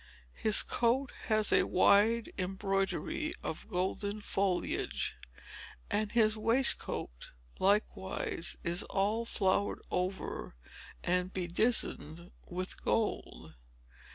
His coat has a wide embroidery of golden foliage; and his waistcoat, likewise, is all flowered over and bedizened with gold.